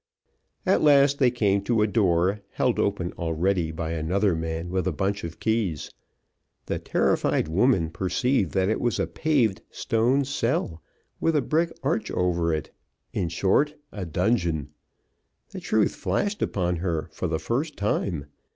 At last they came to a door, held open already by another man with a bunch of keys. The terrified woman perceived that it was a paved stone cell, with a brick arch over it; in short, a dungeon. The truth flashed upon her, for the first time.